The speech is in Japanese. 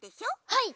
はい！